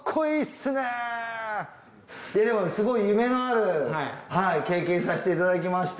すごい夢のある経験させていただきました。